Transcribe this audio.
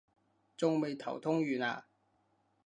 仲未頭痛完啊？